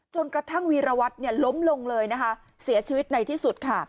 จนกระทั่งวีรวัตรล้มลงเลยนะคะเสียชีวิตในที่สุดค่ะ